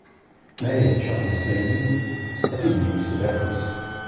Mi ara yeččar yiẓdi-nni, ad t-id-nekkes d afus.